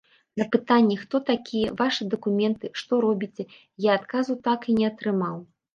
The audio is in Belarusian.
На пытанні, хто такія, вашы дакументы, што робіце, я адказу так і не атрымаў.